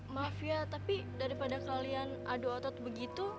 maaf ya tapi daripada kalian adu otot begitu